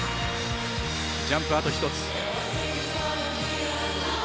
ジャンプ、あと１つ。